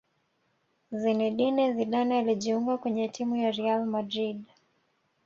zinedine Zidane alijiunga kwenye timu ya real madrid